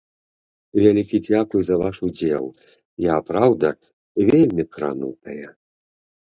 Вялікі дзякуй за ваш удзел, я праўда вельмі кранутая.